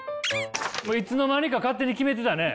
いつの間にか勝手に決めてたね！